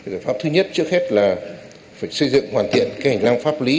giải pháp thứ nhất trước hết là phải xây dựng hoàn thiện cái hành lang pháp lý